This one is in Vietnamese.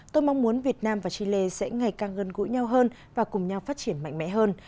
tôi mong muốn việt nam và chile sẽ ngày càng gần gũi nhau hơn và cùng nhau phát triển mạnh mẽ hơn